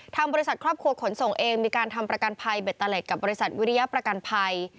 ทางบริษัทครอบครัวขนส่งมีการทำประการภัยเบ็ดตะเลกกับบริษัทวิทยาประกันภัย